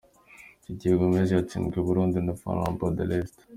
Didier Gomez yatsindiwe i Burundi na Flambeau de L’Est .